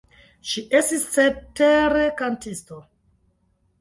Ŝi estis cetere kantisto.